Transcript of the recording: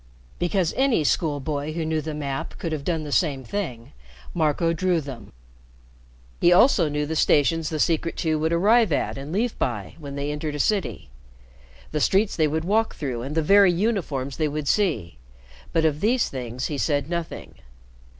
Because any school boy who knew the map could have done the same thing, Marco drew them. He also knew the stations the Secret Two would arrive at and leave by when they entered a city, the streets they would walk through and the very uniforms they would see; but of these things he said nothing.